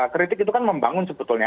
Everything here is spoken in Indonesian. kritik itu kan membangun sebetulnya